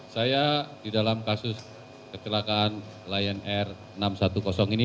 saya di dalam kasus kecelakaan lion air enam ratus sepuluh ini